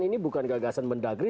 ini bukan gagasan mendagri